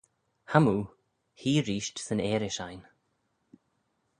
Chamoo hee reesht 'syn earish ain.